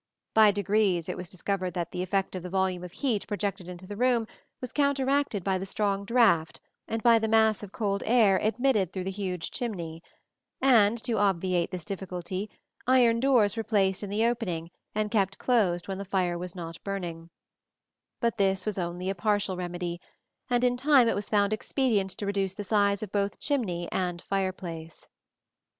By degrees it was discovered that the effect of the volume of heat projected into the room was counteracted by the strong draught and by the mass of cold air admitted through the huge chimney; and to obviate this difficulty iron doors were placed in the opening and kept closed when the fire was not burning (see Plate XXI). But this was only a partial remedy, and in time it was found expedient to reduce the size of both chimney and fireplace.